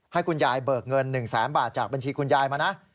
ให้คุณยายเบิกเงิน๑แสนบาทจากบัญชีคุณยายมานะ